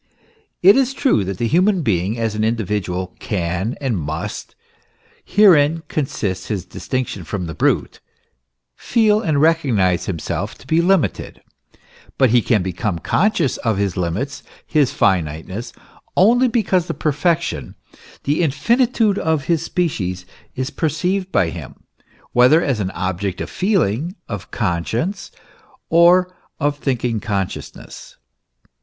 It is true that the human being, as an individual, can and must herein consists his distinction from the brute feel and recognise himself to be limited ; but he can become conscious of his limits, his finiteness, only because the perfection, the infinitude of his species is perceived by him, whether as an object of feeling, of conscience, or of the thinking consciousness.